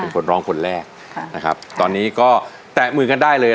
โปรดติดตามต่อไป